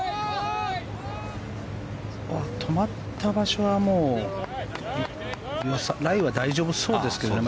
止まった場所はライは大丈夫そうですけどね